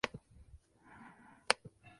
Según contó Halligan Jr.